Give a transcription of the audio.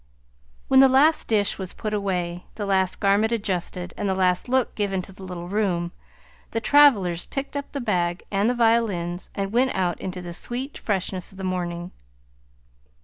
When the last dish was put away, the last garment adjusted, and the last look given to the little room, the travelers picked up the bag and the violins, and went out into the sweet freshness of the morning.